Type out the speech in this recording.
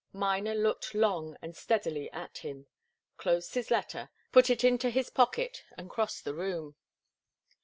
Miner looked long and steadily at him, closed his letter, put it into his pocket and crossed the room.